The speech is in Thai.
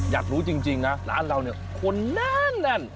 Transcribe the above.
อยากรู้จริงนะร้านเราเนี่ยคนแน่น